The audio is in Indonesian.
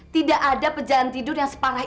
tidak ada pejalan tidur yang separah